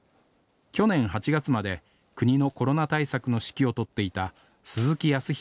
去年８月まで国のコロナ対策の指揮を執っていた鈴木康裕